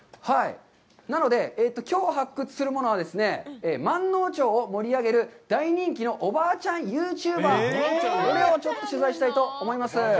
きょう発掘するものは、まんのう町を盛り上げる大人気のおばあちゃんユーチューバー、これをちょっと取材したいと思います。